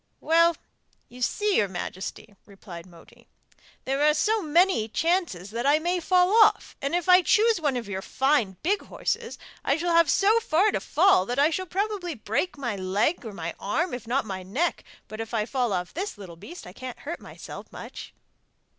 'Well, you see, your majesty,' replied Moti, 'there are so many chances that I may fall off, and if I choose one of your fine big horses I shall have so far to fall that I shall probably break my leg or my arm, if not my neck, but if I fall off this little beast I can't hurt myself much.